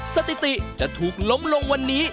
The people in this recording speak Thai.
สถิติจะถูกล้มลงวันนี้